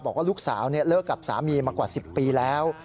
บอกว่าลูกสาวเลิกกับสามีมากว่า๑๐ปีแล้ว